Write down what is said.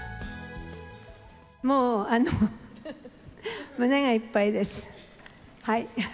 もう、胸がいっぱいです。